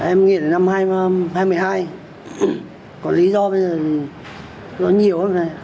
em nghiện năm hai nghìn một mươi hai có lý do bây giờ là nhiều lắm